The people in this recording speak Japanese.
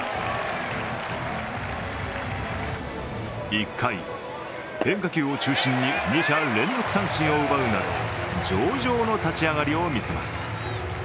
１回、変化球を中心に二者連続三振を奪うなど、上々の立ち上がりを見せます。